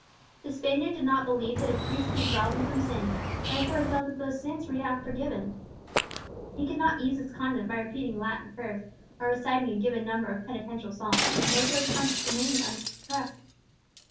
The Spaniard did not believe that a priest could absolve him from sin, therefore he felt that those sins were yet unforgiven. He could not ease his conscience by repeating Latin prayers or reciting a given number of penitential psalms, therefore his conscience remained oppressed.